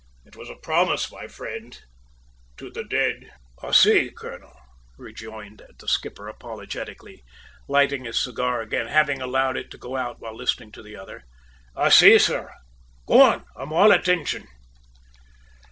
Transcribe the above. It was a promise, my friend, to the dead." "I see, colonel," rejoined the skipper apologetically, lighting his cigar again, having allowed it to go out while listening to the other; "I see, sir. Go on; I'm all attention."